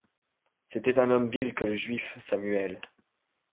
C’était un homme vil que le juif Samuel.